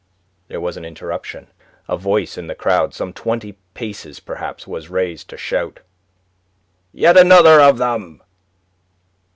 There was an interruption. A voice in the crowd, some twenty paces, perhaps, was raised to shout: "Yet another of them!"